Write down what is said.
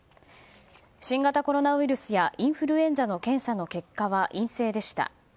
新型コロナウイルスやインフルエンザの検査の結果は陰性でした。